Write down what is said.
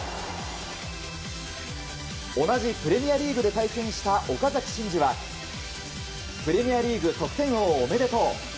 同じプレミアリーグで対戦した岡崎慎司はプレミアリーグ得点王おめでとう。